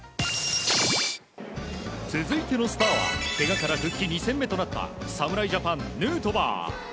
続いてのスターはけがから復帰２戦目となった侍ジャパン、ヌートバー。